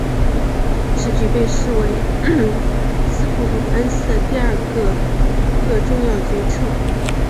此举被视为斯普鲁恩斯的第二个个重要决策。